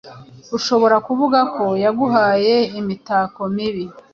Ushobora kuvuga ko yaguhaye imitako mibi